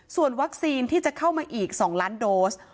ส่วนวัคซีนที่จะเข้ามาอีก๒ล้านโดส